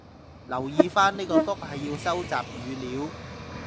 留意返呢個谷係要收集語料